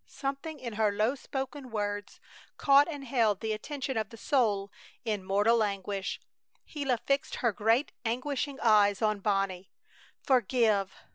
Something in her low spoken words caught and held the attention of the soul in mortal anguish. Gila fixed her great, anguishing eyes on Bonnie. "Forgive!